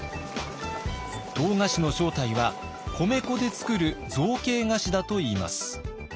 唐菓子の正体は米粉で作る造形菓子だといいます。